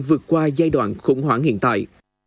vượt qua giai đoạn khủng hoảng hiện tại